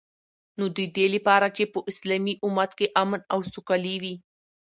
نو ددی لپاره چی په اسلامی امت کی امن او سوکالی وی